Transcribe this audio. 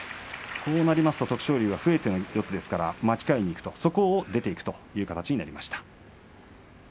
こうなりますと徳勝龍の不得手の四つですから巻き替えにいくとそこを出ていく形になりました。